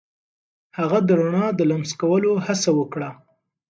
هغه د رڼا د لمس کولو هڅه وکړه.